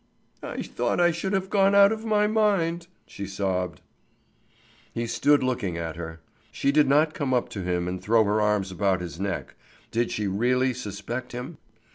"I thought I should have gone out of my mind!" she sobbed. He stood looking at her. She did not come up to him and throw her arms about his neck. Did she really suspect him?